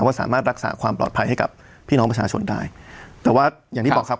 ว่าสามารถรักษาความปลอดภัยให้กับพี่น้องประชาชนได้แต่ว่าอย่างที่บอกครับ